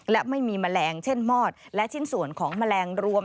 และไม่มีแมลงเช่นมอดและชิ้นส่วนของแมลงรวม